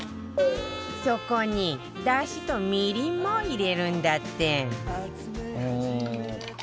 そこにだしとみりんも入れるんだって